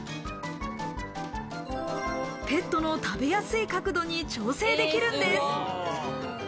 ペットの食べやすい角度に調整できるんです。